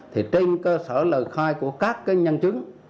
trên cơ sở lời khai của các nhân chứng